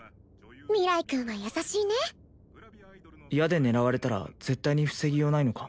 明日君は優しいね矢で狙われたら絶対に防ぎようないのか？